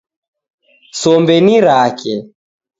Sombe ni rake